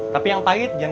tapi yang pahit jangan